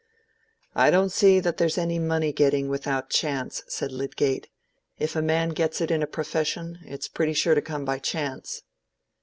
"I don't see that there's any money getting without chance," said Lydgate; "if a man gets it in a profession, it's pretty sure to come by chance."